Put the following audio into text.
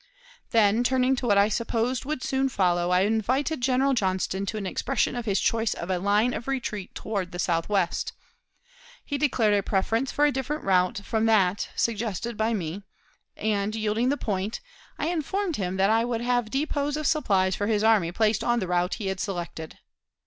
Then, turning to what I supposed would soon follow, I invited General Johnston to an expression of his choice of a line of retreat toward the southwest. He declared a preference for a different route from that suggested by me, and, yielding the point, I informed him that I would have depots of supplies for his army placed on the route he had selected.